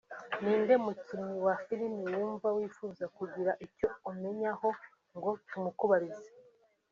Ni inde mukinnyi wa filime wumva wifuza kugira icyo umenyaho ngo tumukubarize